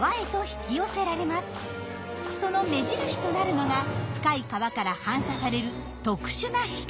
その目印となるのが深い川から反射される特殊な光。